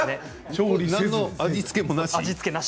何の味付けもなし？